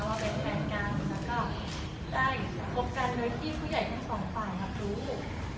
ว่าเป็นแฟนกันแล้วก็ได้คบกันโดยที่ผู้ใหญ่ทั้งสองฝ่ายรับรู้